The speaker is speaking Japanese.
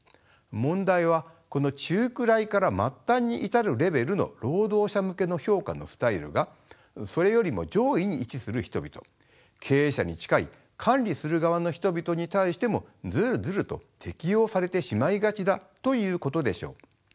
問題はこの中くらいから末端に至るレベルの労働者向けの評価のスタイルがそれよりも上位に位置する人々経営者に近い管理する側の人々に対してもずるずると適用されてしまいがちだということでしょう。